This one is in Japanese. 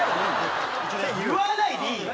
言わないでいいよ